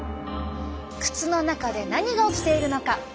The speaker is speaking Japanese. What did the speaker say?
靴の中で何が起きているのか。